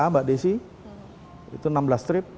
mbak desi itu enam belas trip